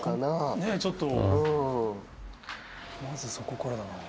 ねぇちょっとまずそこからだな。